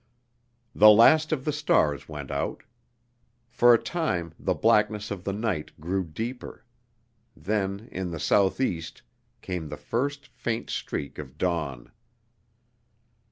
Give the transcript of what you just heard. The last of the stars went out. For a time the blackness of the night grew deeper; then, in the southeast, came the first faint streak of dawn.